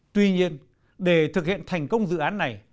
tuy nhiên để thực hiện thành công dự án này